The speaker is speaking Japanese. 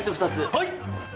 はい！